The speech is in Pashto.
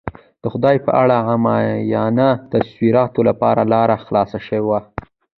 د خدای په اړه عامیانه تصوراتو لپاره لاره خلاصه شوه.